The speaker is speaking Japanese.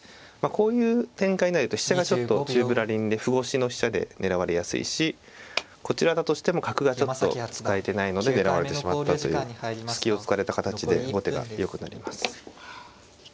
こういう展開になると飛車がちょっと宙ぶらりんで歩越しの飛車で狙われやすいしこちらだとしても角がちょっと使えてないので狙われてしまったという隙を突かれた形で後手がよくなります。